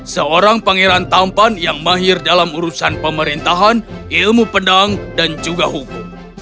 seorang pangeran tampan yang mahir dalam urusan pemerintahan ilmu pedang dan juga hukum